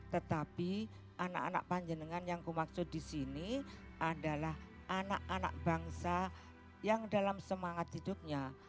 tetapi anak anak panjenengan yang kumaksud di sini adalah anak anak bangsa yang dalam semangat hidupnya